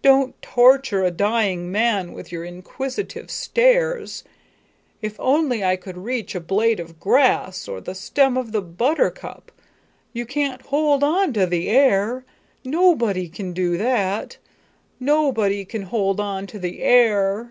Don't torture a dying man with your inquisitive stares. If only I could reach a blade of grass, or the stem of the buttercup. You can't hold on to the air. Nobody can do that. Nobody can hold on to the air."